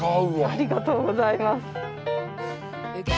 ありがとうございます。